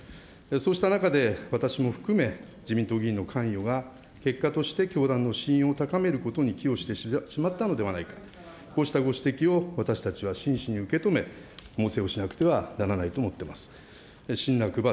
そうした中で、私も含め、自民党議員の関与が、結果として教団の信用を高めることにしてしまったのではないか、こうしたご指摘を私たちは真摯に受け止め、猛省をしなくてはならないと思っています。